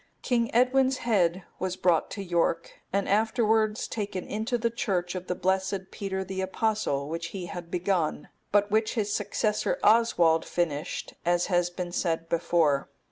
King Edwin's head was brought to York, and afterwards taken into the church of the blessed Peter the Apostle, which he had begun, but which his successor Oswald finished, as has been said before.